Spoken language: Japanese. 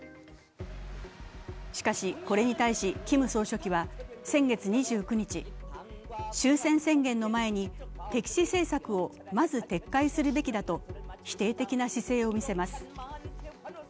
しかし、これに対しキム総書記は先月２９日終戦宣言の前に敵視政策をまず撤回するべきだと否定的な姿勢を見せます。